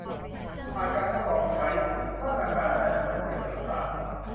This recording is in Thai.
ผ่านการทดลองใช้ มาตรการด้านกฎระเบียบต่างต่าง